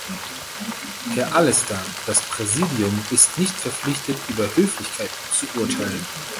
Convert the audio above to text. Herr Allister, das Präsidium ist nicht verpflichtet, über Höflichkeit zu urteilen.